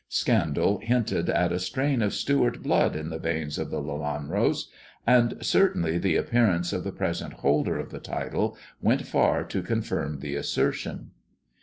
Scandal hinted at a strain of Stewart blood in the veins of the Lelanros, and certainly the appearance of the present holder of the title went far to confirm the assertion.